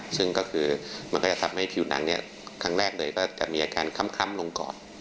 ซึ่งก็คือมันก็จะทำให้ผิวหนังครั้งแรกเลยก็จะมีอาการค่ำลงก่อน